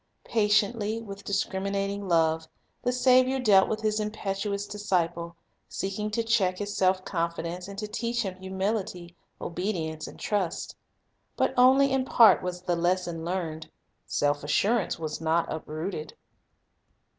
Patiently, with discriminating love, the Saviour dealt with His impetuous disciple, seeking to check his self confidence, and to teach him humility, obedience, and trust. But only in part was the lesson learned. Self assurance was not uprooted.